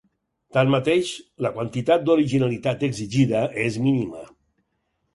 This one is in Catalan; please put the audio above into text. Tanmateix, la quantitat d'originalitat exigida és mínima.